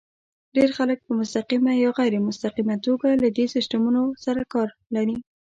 ډېر خلک په مستقیمه یا غیر مستقیمه توګه له دې سیسټمونو سره کار لري.